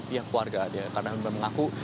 pihak keluarga karena mengaku